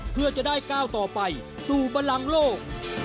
เพื่อจะได้ก้าวต่อไปสู่บันลังโลก